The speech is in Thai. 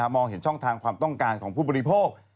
มองเห็นช่องทางความต้องการของผู้บริโภค